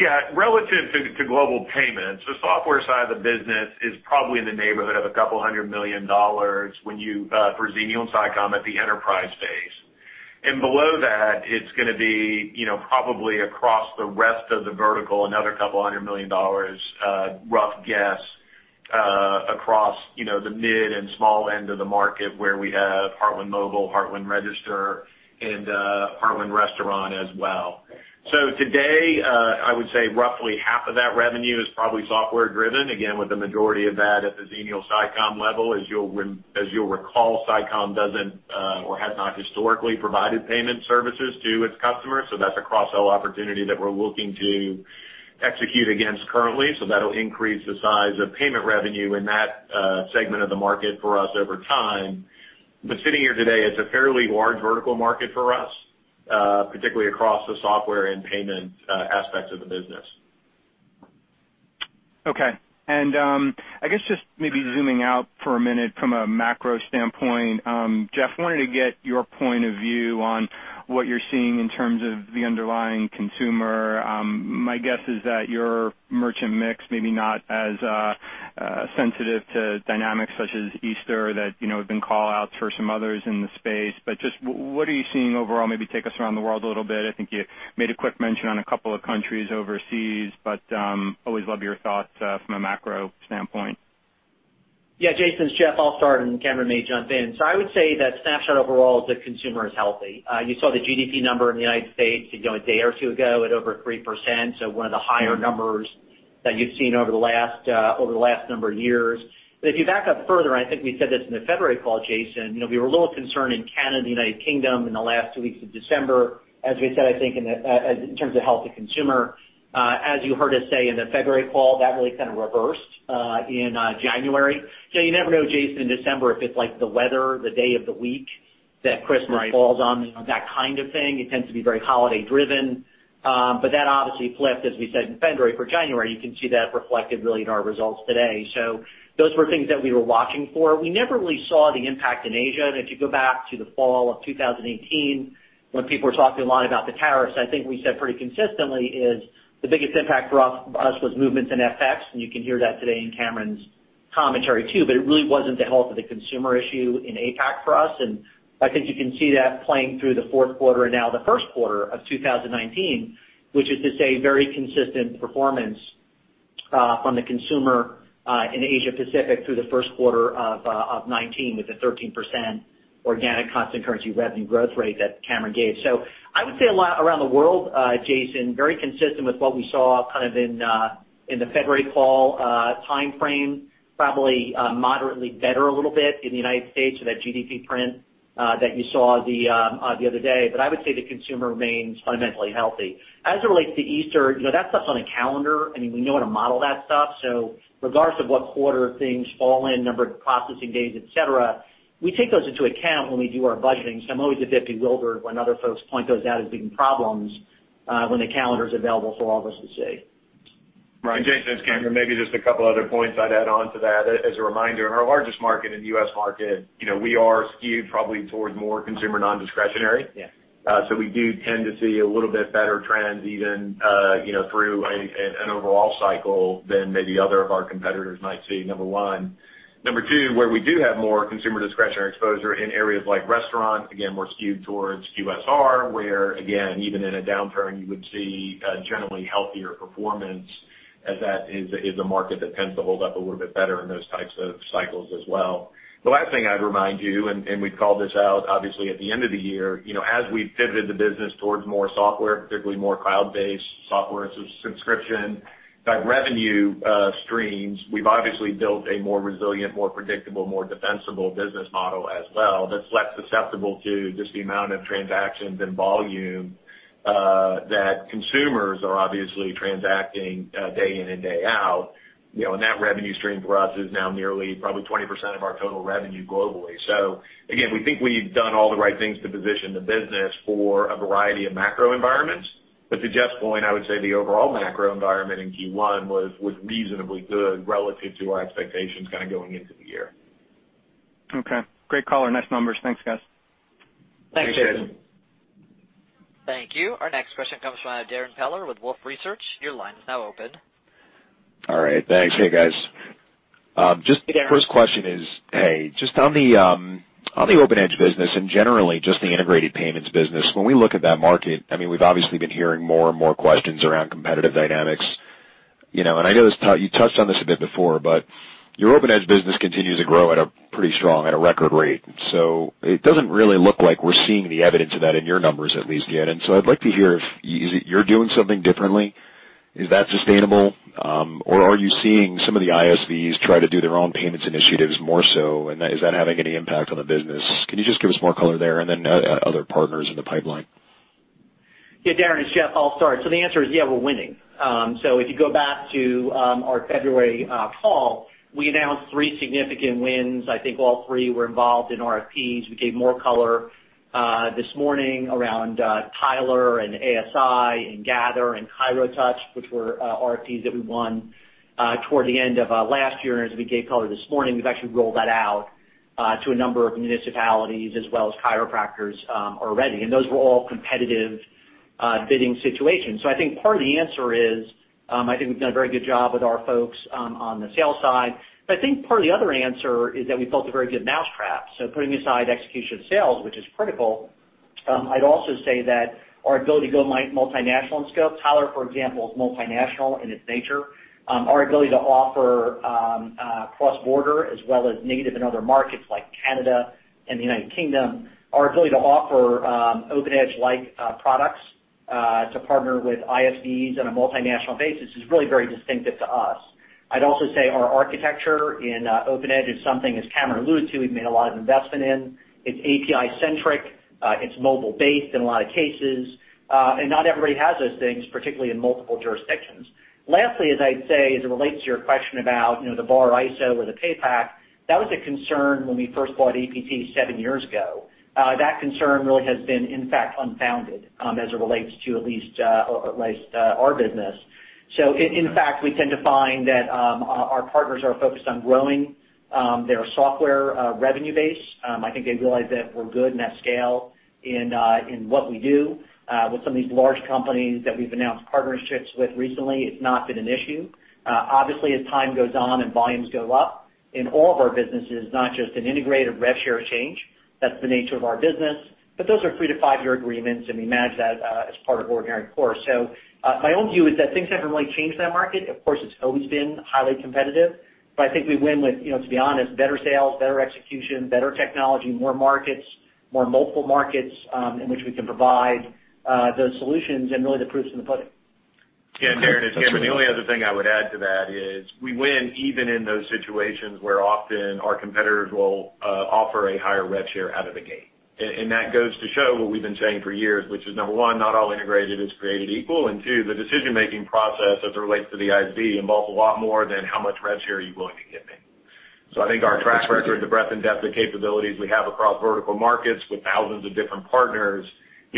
Yeah. Relative to Global Payments, the software side of the business is probably in the neighborhood of a couple hundred million dollars for Xenial Sicom at the enterprise phase. Below that, it's going to be probably across the rest of the vertical, another couple hundred million dollars, rough guess, across the mid and small end of the market where we have Heartland Mobile, Heartland Register, and Heartland Restaurant as well. Today, I would say roughly half of that revenue is probably software driven, again, with the majority of that at the Xenial Sicom level. As you'll recall, Sicom doesn't or has not historically provided payment services to its customers. That's a cross-sell opportunity that we're looking to execute against currently. That'll increase the size of payment revenue in that segment of the market for us over time. Sitting here today, it's a fairly large vertical market for us, particularly across the software and payment aspects of the business. Okay. I guess just maybe zooming out for a minute from a macro standpoint, Jeff, wanted to get your point of view on what you're seeing in terms of the underlying consumer. My guess is that your merchant mix may be not as sensitive to dynamics such as Easter that have been call-outs for some others in the space. Just what are you seeing overall? Maybe take us around the world a little bit. I think you made a quick mention on a couple of countries overseas, but always love your thoughts from a macro standpoint. Jason, it's Jeff. I'll start and Cameron may jump in. I would say that snapshot overall is that consumer is healthy. You saw the GDP number in the U.S. a day or two ago at over 3%, one of the higher numbers that you've seen over the last number of years. If you back up further, and I think we said this in the February call, Jason, we were a little concerned in Canada and the U.K. in the last two weeks of December. As we said, I think in terms of health of consumer, as you heard us say in the February call, that really kind of reversed in January. You never know, Jason, in December if it's like the weather, the day of the week that Christmas falls on, that kind of thing. It tends to be very holiday driven. That obviously flipped, as we said in February for January. You can see that reflected really in our results today. Those were things that we were watching for. We never really saw the impact in Asia. If you go back to the fall of 2018 when people were talking a lot about the tariffs, I think we said pretty consistently is the biggest impact for us was movements in FX, and you can hear that today in Cameron's commentary too, but it really wasn't the health of the consumer issue in APAC for us. I think you can see that playing through the fourth quarter and now the first quarter of 2019, which is to say, very consistent performance from the consumer in Asia Pacific through the first quarter of 2019 with the 13% organic constant currency revenue growth rate that Cameron gave. I would say around the world, Jason, very consistent with what we saw in the February call timeframe, probably moderately better a little bit in the U.S. with that GDP print that you saw the other day. I would say the consumer remains fundamentally healthy. As it relates to Easter, that stuff's on a calendar. We know how to model that stuff, regardless of what quarter things fall in, number of processing days, et cetera, we take those into account when we do our budgeting. I'm always a bit bewildered when other folks point those out as being problems when the calendar is available for all of us to see. Right. Jason, it's Cameron. Maybe just a couple other points I'd add on to that. As a reminder, in our largest market, in the U.S. market, we are skewed probably towards more consumer non-discretionary. Yeah. We do tend to see a little bit better trends even through an overall cycle than maybe other of our competitors might see, number one. Number two, where we do have more consumer discretionary exposure in areas like restaurants, again, more skewed towards QSR, where again, even in a downturn, you would see generally healthier performance as that is a market that tends to hold up a little bit better in those types of cycles as well. The last thing I'd remind you, and we called this out obviously at the end of the year, as we've pivoted the business towards more software, particularly more cloud-based software subscription type revenue streams, we've obviously built a more resilient, more predictable, more defensible business model as well that's less susceptible to just the amount of transactions and volume that consumers are obviously transacting day in and day out. That revenue stream for us is now nearly probably 20% of our total revenue globally. Again, we think we've done all the right things to position the business for a variety of macro environments. To Jeff's point, I would say the overall macro environment in Q1 was reasonably good relative to our expectations going into the year. Okay. Great call and nice numbers. Thanks, guys. Thanks, Jason. Thanks, Jason. Thank you. Our next question comes from Darrin Peller with Wolfe Research. Your line is now open. All right. Thanks. Hey, guys. Hey, Darrin. First question is, on the OpenEdge business and generally the integrated payments business, when we look at that market, we've obviously been hearing more and more questions around competitive dynamics. I know you touched on this a bit before, but your OpenEdge business continues to grow at a pretty strong, at a record rate. It doesn't really look like we're seeing the evidence of that in your numbers at least yet. I'd like to hear if you're doing something differently? Is that sustainable? Are you seeing some of the ISVs try to do their own payments initiatives more so, and is that having any impact on the business? Can you give us more color there and other partners in the pipeline? Darrin, it's Jeff. I'll start. The answer is, we're winning. If you go back to our February call, we announced three significant wins. I think all three were involved in RFPs. We gave more color this morning around Tyler and ASI and Gather and ChiroTouch, which were RFPs that we won toward the end of last year. As we gave color this morning, we've actually rolled that out to a number of municipalities as well as chiropractors already. Those were all competitive bidding situations. I think part of the answer is, I think we've done a very good job with our folks on the sales side. I think part of the other answer is that we built a very good mousetrap. Putting aside execution of sales, which is critical, I'd also say that our ability to go multinational in scope. Tyler, for example, is multinational in its nature. Our ability to offer cross-border as well as native in other markets like Canada and the United Kingdom, our ability to offer OpenEdge-like products to partner with ISVs on a multinational basis is really very distinctive to us. I'd also say our architecture in OpenEdge is something, as Cameron alluded to, we've made a lot of investment in. It's API centric, it's mobile based in a lot of cases, not everybody has those things, particularly in multiple jurisdictions. Lastly, as I'd say, as it relates to your question about the VAR ISO or the PayFac, that was a concern when we first bought APT seven years ago. That concern really has been in fact unfounded as it relates to at least our business. In fact, we tend to find that our partners are focused on growing their software revenue base. I think they realize that we're good and at scale in what we do. With some of these large companies that we've announced partnerships with recently, it's not been an issue. Obviously, as time goes on and volumes go up in all of our businesses, not just an integrated rev share change, that's the nature of our business, but those are 3 to 5-year agreements, and we manage that as part of ordinary course. My own view is that things haven't really changed in that market. Of course, it's always been highly competitive, I think we win with, to be honest, better sales, better execution, better technology, more markets, more multiple markets in which we can provide those solutions and really the proof's in the pudding. Yeah, Darrin, it's Cameron. The only other thing I would add to that is we win even in those situations where often our competitors will offer a higher rev share out of the gate. That goes to show what we've been saying for years, which is number one, not all integrated is created equal, and two, the decision-making process as it relates to the ISV involves a lot more than how much rev share are you willing to give me. I think our track record, the breadth and depth of capabilities we have across vertical markets with thousands of different partners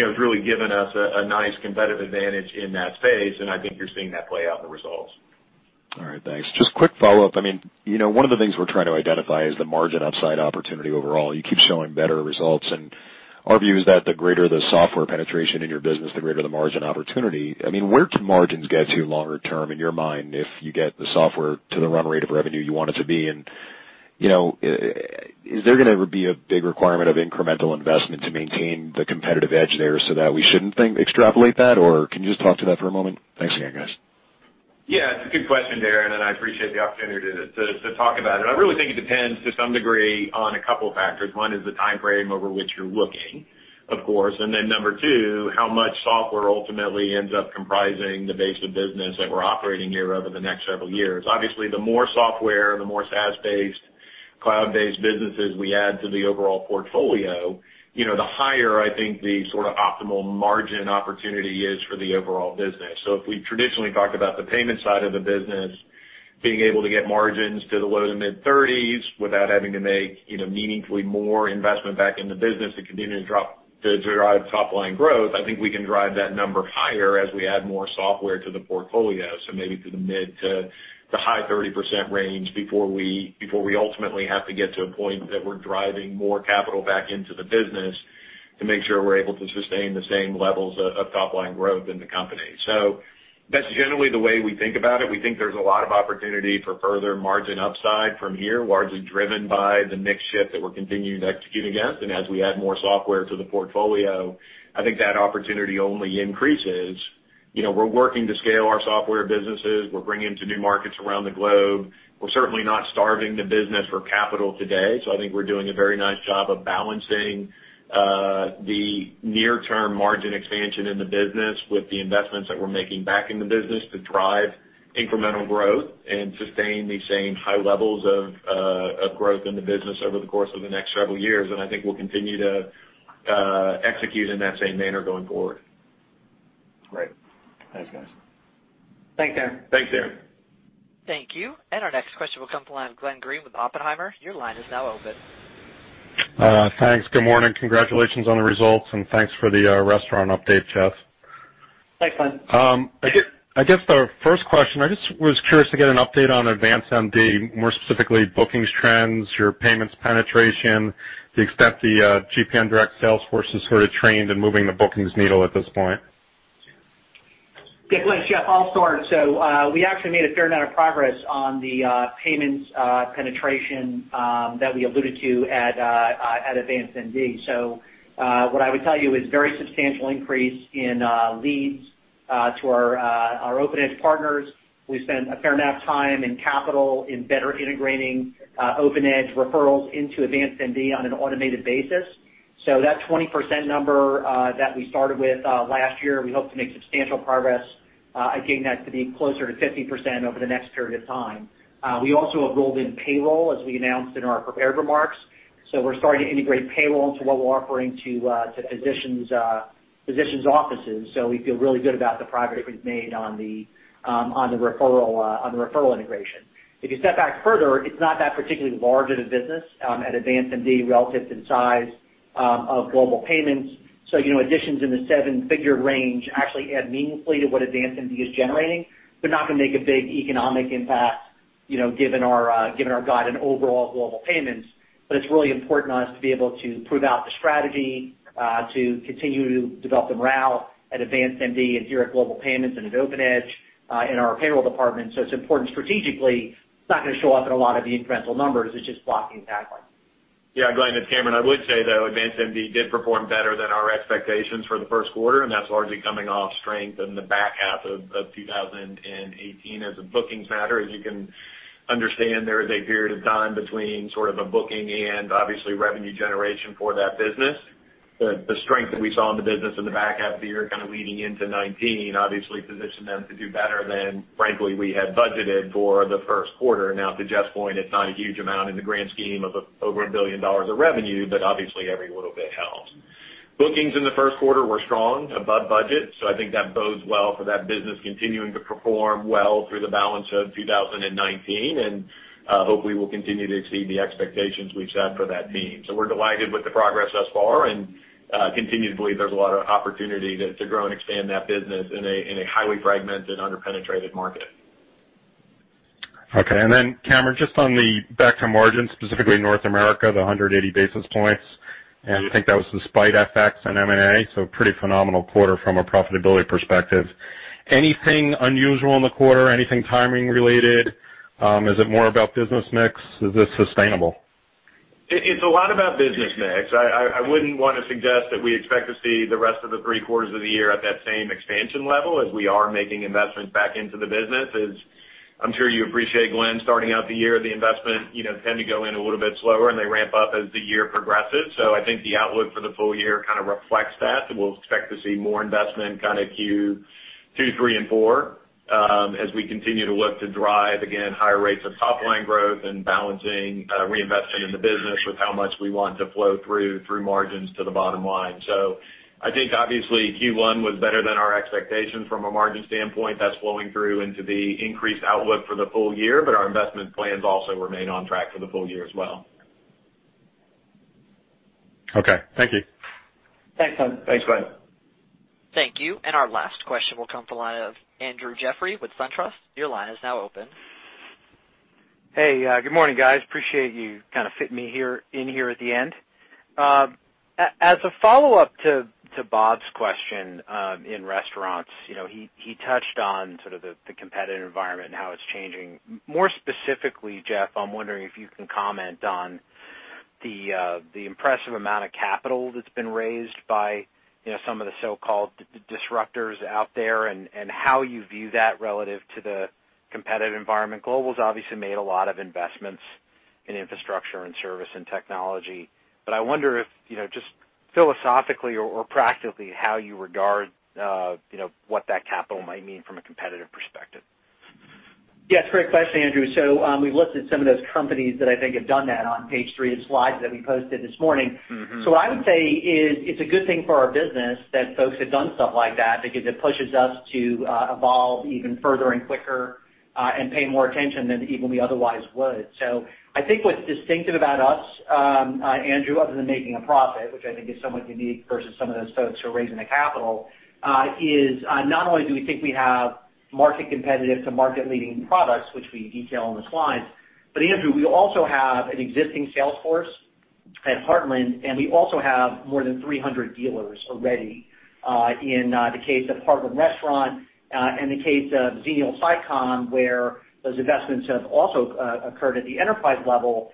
has really given us a nice competitive advantage in that space, and I think you're seeing that play out in the results. All right. Thanks. Just quick follow-up. One of the things we're trying to identify is the margin upside opportunity overall. You keep showing better results and our view is that the greater the software penetration in your business, the greater the margin opportunity. Where do margins get to longer term in your mind if you get the software to the run rate of revenue you want it to be? Is there going to be a big requirement of incremental investment to maintain the competitive edge there so that we shouldn't think extrapolate that? Can you just talk to that for a moment? Thanks again, guys. Yeah, it's a good question, Darrin, and I appreciate the opportunity to talk about it. I really think it depends to some degree on a couple factors. One is the time frame over which you're looking, of course, and then number two, how much software ultimately ends up comprising the base of business that we're operating here over the next several years. Obviously, the more software, the more SaaS-based, cloud-based businesses we add to the overall portfolio, the higher I think the optimal margin opportunity is for the overall business. If we traditionally talked about the payment side of the business, being able to get margins to the low to mid-30s without having to make meaningfully more investment back in the business to continue to drive top-line growth, I think we can drive that number higher as we add more software to the portfolio. Maybe to the mid to the high 30% range before we ultimately have to get to a point that we're driving more capital back into the business to make sure we're able to sustain the same levels of top-line growth in the company. That's generally the way we think about it. We think there's a lot of opportunity for further margin upside from here, largely driven by the mix shift that we're continuing to execute against. As we add more software to the portfolio, I think that opportunity only increases. We're working to scale our software businesses. We're bringing to new markets around the globe. We're certainly not starving the business for capital today. I think we're doing a very nice job of balancing the near-term margin expansion in the business with the investments that we're making back in the business to drive incremental growth and sustain the same high levels of growth in the business over the course of the next several years. I think we'll continue to execute in that same manner going forward. Great. Thanks, guys. Thanks, Darrin. Thanks, Darrin. Thank you. Our next question will come from the line of Glenn Greene with Oppenheimer. Your line is now open. Thanks. Good morning. Congratulations on the results. Thanks for the restaurant update, Jeff. Thanks, Glenn. I guess the first question, I just was curious to get an update on AdvancedMD, more specifically bookings trends, your payments penetration, the extent the GPN direct sales force is sort of trained and moving the bookings needle at this point. Yeah, Glenn, Jeff, I'll start. We actually made a fair amount of progress on the payments penetration that we alluded to at AdvancedMD. What I would tell you is very substantial increase in leads to our OpenEdge partners. We spent a fair amount of time and capital in better integrating OpenEdge referrals into AdvancedMD on an automated basis. That 20% number that we started with last year, we hope to make substantial progress at getting that to be closer to 50% over the next period of time. We also have rolled in payroll, as we announced in our prepared remarks. We're starting to integrate payroll into what we're offering to physicians' offices. We feel really good about the progress we've made on the referral integration. If you step back further, it's not that particularly large of the business at AdvancedMD relative to the size of Global Payments. Additions in the seven-figure range actually add meaningfully to what AdvancedMD is generating, but not going to make a big economic impact, given our guide and overall Global Payments. It's really important on us to be able to prove out the strategy to continue to develop the morale at AdvancedMD and here at Global Payments and at OpenEdge in our payroll department. It's important strategically. It's not going to show up in a lot of the incremental numbers. It's just blocking and tackling. Yeah, Glenn, it's Cameron. I would say, though, AdvancedMD did perform better than our expectations for the first quarter, and that's largely coming off strength in the back half of 2018 as a bookings matter. As you can understand, there is a period of time between sort of a booking and obviously revenue generation for that business. The strength that we saw in the business in the back half of the year kind of leading into 2019 obviously positioned them to do better than, frankly, we had budgeted for the first quarter. Now to Jeff's point, it's not a huge amount in the grand scheme of over $1 billion of revenue, but obviously every little bit helps. Bookings in the first quarter were strong, above budget, I think that bodes well for that business continuing to perform well through the balance of 2019 and hopefully will continue to exceed the expectations we've set for that team. We're delighted with the progress thus far and continue to believe there's a lot of opportunity to grow and expand that business in a highly fragmented, under-penetrated market. Okay. Cameron, just on the back to margin, specifically North America, the 180 basis points, and I think that was despite FX and M&A, so pretty phenomenal quarter from a profitability perspective. Anything unusual in the quarter? Anything timing related? Is it more about business mix? Is this sustainable? It's a lot about business mix. I wouldn't want to suggest that we expect to see the rest of the three quarters of the year at that same expansion level as we are making investments back into the business. As I'm sure you appreciate, Glenn, starting out the year, the investment tend to go in a little bit slower, and they ramp up as the year progresses. I think the outlook for the full year kind of reflects that. We'll expect to see more investment kind of Q2, three, and four as we continue to look to drive, again, higher rates of top-line growth and balancing reinvestment in the business with how much we want to flow through margins to the bottom line. I think obviously Q1 was better than our expectations from a margin standpoint. That's flowing through into the increased outlook for the full year, but our investment plans also remain on track for the full year as well. Okay. Thank you. Thanks, Glenn. Thanks, Glenn. Thank you. Our last question will come from the line of Andrew Jeffrey with SunTrust. Your line is now open. Hey, good morning, guys. Appreciate you fitting me in here at the end. As a follow-up to Bob's question in restaurants, he touched on the competitive environment and how it's changing. More specifically, Jeff, I'm wondering if you can comment on the impressive amount of capital that's been raised by some of the so-called disruptors out there and how you view that relative to the competitive environment. Global's obviously made a lot of investments in infrastructure and service and technology, but I wonder if, just philosophically or practically, how you regard what that capital might mean from a competitive perspective. Yeah, great question, Andrew. We've listed some of those companies that I think have done that on page three of the slides that we posted this morning. What I would say is it's a good thing for our business that folks have done stuff like that, because it pushes us to evolve even further and quicker, and pay more attention than even we otherwise would. I think what's distinctive about us, Andrew, other than making a profit, which I think is somewhat unique versus some of those folks who are raising the capital, is not only do we think we have market competitive to market-leading products, which we detail on the slides, but Andrew, we also have an existing sales force at Heartland, and we also have more than 300 dealers already. In the case of Heartland Restaurant, in the case of Xenial Sicom, where those investments have also occurred at the enterprise level,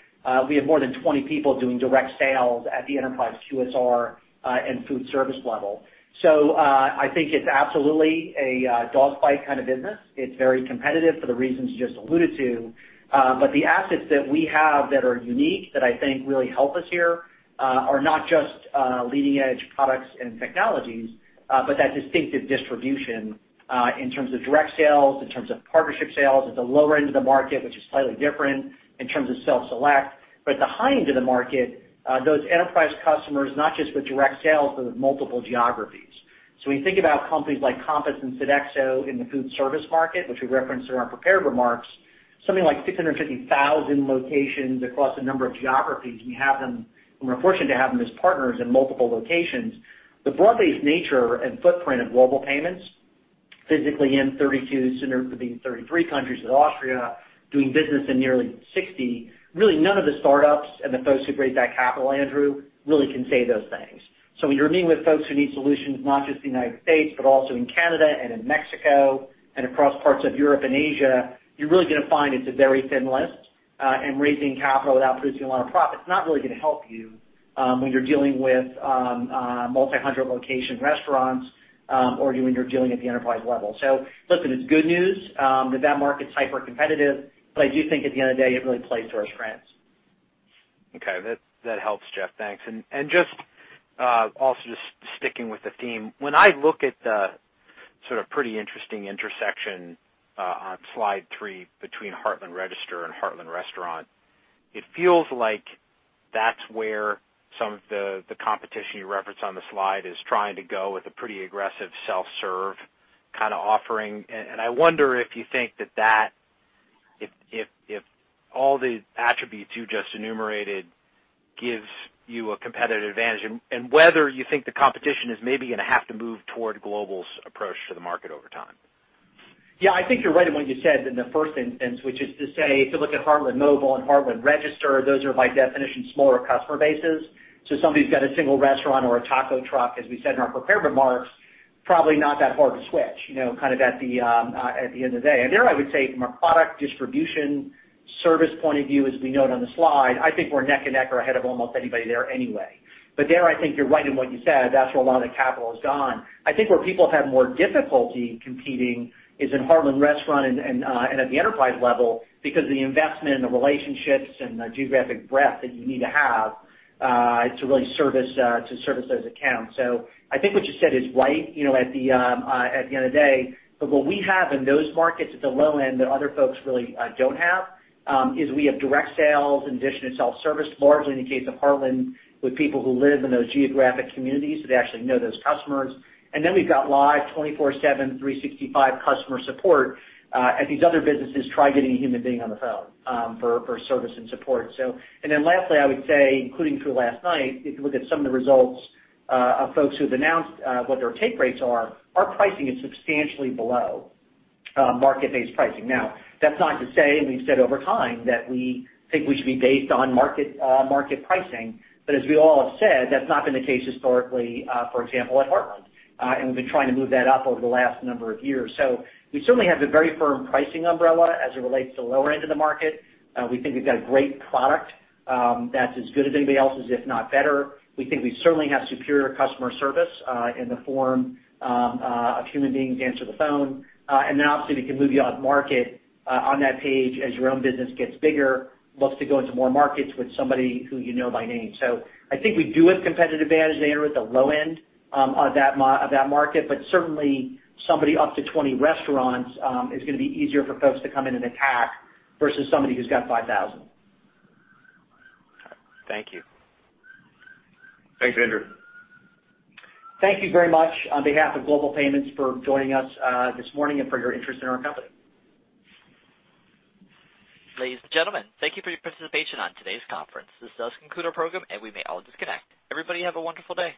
we have more than 20 people doing direct sales at the enterprise QSR and food service level. I think it's absolutely a dogfight kind of business. It's very competitive for the reasons you just alluded to. The assets that we have that are unique, that I think really help us here, are not just leading-edge products and technologies, but that distinctive distribution, in terms of direct sales, in terms of partnership sales at the lower end of the market, which is slightly different in terms of self-select. At the high end of the market, those enterprise customers, not just with direct sales, but with multiple geographies. When you think about companies like Compass and Sodexo in the food service market, which we referenced in our prepared remarks, something like 650,000 locations across a number of geographies, and we're fortunate to have them as partners in multiple locations. The broad-based nature and footprint of Global Payments, physically in 32, soon to be 33 countries with Austria, doing business in nearly 60. Really none of the startups and the folks who've raised that capital, Andrew, really can say those things. When you're meeting with folks who need solutions, not just the United States, but also in Canada and in Mexico and across parts of Europe and Asia, you're really going to find it's a very thin list, and raising capital without producing a lot of profit is not really going to help you when you're dealing with multi hundred location restaurants, or when you're dealing at the enterprise level. Listen, it's good news that that market's hyper competitive, I do think at the end of the day, it really plays to our strengths. Okay. That helps, Jeff. Thanks. Just also sticking with the theme, when I look at the pretty interesting intersection on slide three between Heartland Register and Heartland Restaurant, it feels like that's where some of the competition you reference on the slide is trying to go with a pretty aggressive self-serve kind of offering. I wonder if you think that if all the attributes you just enumerated gives you a competitive advantage, and whether you think the competition is maybe going to have to move toward Global's approach to the market over time. I think you're right in what you said in the first instance, which is to say, if you look at Heartland Mobile and Heartland Register, those are by definition smaller customer bases. Somebody's got a single restaurant or a taco truck, as we said in our prepared remarks, probably not that hard to switch at the end of the day. There I would say from a product distribution service point of view, as we note on the slide, I think we're neck and neck or ahead of almost anybody there anyway. There, I think you're right in what you said. That's where a lot of the capital has gone. I think where people have more difficulty competing is in Heartland Restaurant and at the enterprise level because of the investment and the relationships and the geographic breadth that you need to have to really service those accounts. I think what you said is right at the end of the day, what we have in those markets at the low end that other folks really don't have, is we have direct sales in addition to self-service, largely in the case of Heartland, with people who live in those geographic communities that actually know those customers. Then we've got live 24/7, 365 customer support, as these other businesses try getting a human being on the phone for service and support. Then lastly, I would say, including through last night, if you look at some of the results of folks who've announced what their take rates are, our pricing is substantially below market-based pricing. That's not to say, we've said over time, that we think we should be based on market pricing, as we all have said, that's not been the case historically for example, at Heartland. We've been trying to move that up over the last number of years. We certainly have the very firm pricing umbrella as it relates to the lower end of the market. We think we've got a great product that's as good as anybody else's, if not better. We think we certainly have superior customer service in the form of human beings answer the phone. Obviously we can move you out of market on that page as your own business gets bigger, looks to go into more markets with somebody who you know by name. I think we do have competitive advantage there at the low end of that market, but certainly somebody up to 20 restaurants is going to be easier for folks to come in and attack versus somebody who's got 5,000. Thank you. Thanks, Andrew. Thank you very much on behalf of Global Payments for joining us this morning and for your interest in our company. Ladies and gentlemen, thank you for your participation on today's conference. This does conclude our program, and we may all disconnect. Everybody have a wonderful day.